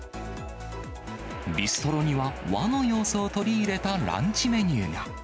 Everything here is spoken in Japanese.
ビストロには和の様子を取り入れたランチメニューが。